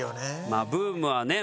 まあブームはね